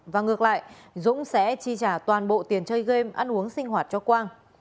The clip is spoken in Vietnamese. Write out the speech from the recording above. và ngược lại dũng sẽ chi trả toàn bộ tiền chơi game ăn uống sinh hoạt cho quang